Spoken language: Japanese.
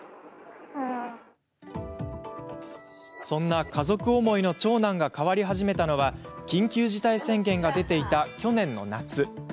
そんな家族思いの長男が変わり始めたのは緊急事態宣言が出ていた去年の夏。